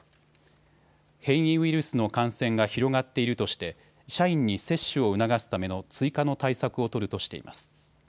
変異ウイルスの感染が広がっているとして社員に接種を促すための追加の対策を取るとしています。